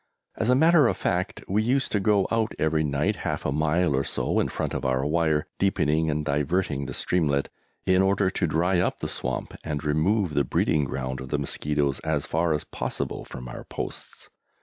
As a matter of fact we used to go out every night half a mile or so in front of our wire, deepening and diverting the streamlet, in order to dry up the swamp and remove the breeding ground of the mosquitoes as far as possible from our posts.